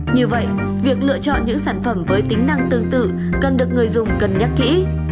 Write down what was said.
như vậy việc lựa chọn những sản phẩm với tính năng tương tự cần được người dùng cân nhắc kỹ